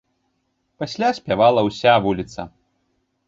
Пасля спявала ўся вуліца.